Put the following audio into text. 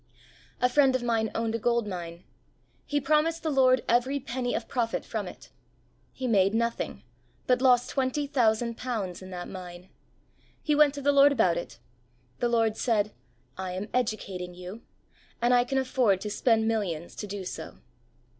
A friend of mine owned a gold mine. He promised the Lord every penny of profit from it. He made nothing, but lost twenty thousand pounds in that mine. He went to the Lord about it. The Lord said, "I am educating you, and I can afford to spend millions to do so."